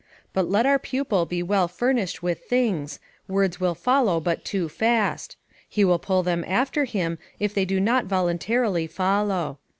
Let but our pupil be well furnished with things, words will follow but too fast; he will pull them after him if they do not voluntarily follow.